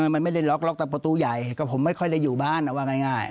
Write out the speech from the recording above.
มันไม่ได้ล็อกแต่ประตูใหญ่ก็ผมไม่ค่อยได้อยู่บ้านว่าง่าย